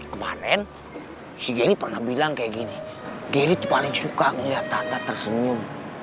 kemaren si geri pernah bilang kayak gini geri tuh paling suka ngeliat tata tersenyum